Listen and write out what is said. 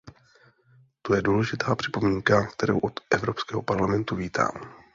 To je důležitá připomínka, kterou od Evropského parlamentu vítám.